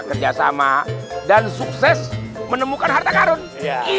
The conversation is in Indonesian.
terbukti semuanya jadi kongsi